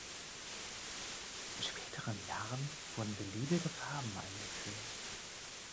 In späteren Jahren wurden beliebige Farben eingeführt.